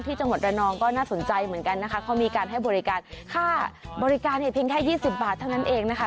จังหวัดระนองก็น่าสนใจเหมือนกันนะคะเขามีการให้บริการค่าบริการเนี่ยเพียงแค่๒๐บาทเท่านั้นเองนะคะ